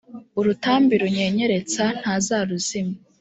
urutambi runyenyeretsa ntazaruzimya